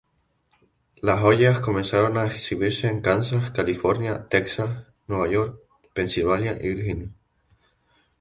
Las ollas comenzaron a exhibirse en Kansas, California, Texas, Nueva York, Pensilvania y Virginia.